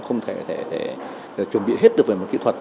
không thể chuẩn bị hết được về mặt kỹ thuật